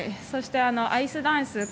そして、アイスダンス